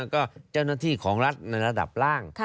ก็เจ้าหน้าที่ของรัฐในระดับล่าง